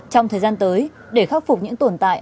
trong thời gian tới để khắc phục những tồn tại